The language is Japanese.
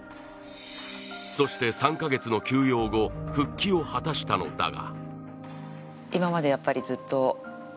そして、３か月の休養後、復帰を果たしたのだが。